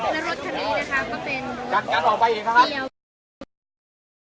แล้วรถคันนี้นะคะก็เป็นรถเซียว